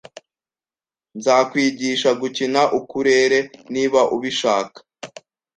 Nzakwigisha gukina ukulele niba ubishaka